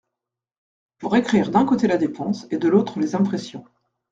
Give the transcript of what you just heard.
Pour écrire d’un côté la dépense, et de l’autre les impressions.